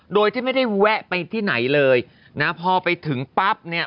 โดยที่ไม่ได้แวะไปที่ไหนเลยนะพอไปถึงปั๊บเนี่ย